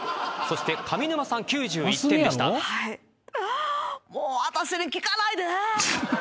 そして上沼さん９１点でした。